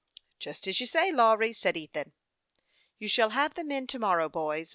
151 " Just as you say, Lawry," said Ethan. " You shall have the men to morrow, boys.